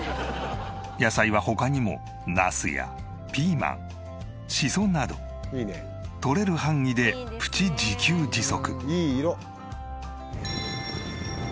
野菜は他にもナスやピーマン紫蘇などとれる範囲でプチ自給自足。